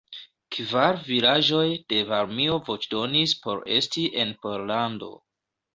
Kvar vilaĝoj de Varmio voĉdonis por esti en Pollando.